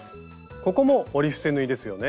ここも折り伏せ縫いですよね。